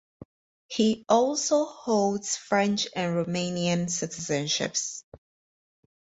He also holds French and Romanian citizenships.